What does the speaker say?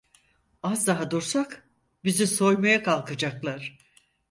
Az daha dursak bizi soymaya kalkacaklar…